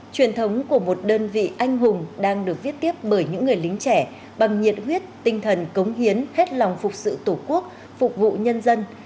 truyền thống của một đơn vị anh hùng đang được viết tiếp bởi những người lính trẻ bằng nhiệt huyết tinh thần cống hiến hết lòng phục sự tổ quốc phục vụ nhân dân